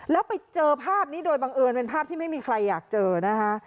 แล้วไปเจอภาพนี้โดยบังเอิญเป็นภาพที่ไม่มีใครอยากเจอนะคะ